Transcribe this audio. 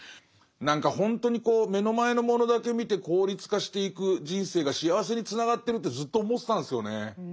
何かほんとに目の前のものだけ見て効率化していく人生が幸せにつながってるってずっと思ってたんですよね。